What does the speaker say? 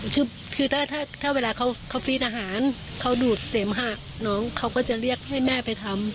คือถ้าเวลาเขาฟีดอาหารเขาดูดเสมหะน้องเขาก็จะเรียกให้แม่ไปทำ